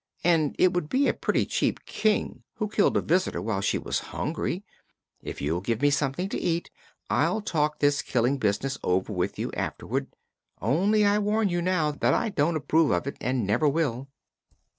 "And it would be a pretty cheap King who killed a visitor while she was hungry. If you'll give me something to eat, I'll talk this killing business over with you afterward; only, I warn you now that I don't approve of it, and never will."